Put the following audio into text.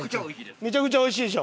めちゃくちゃおいしいでしょ？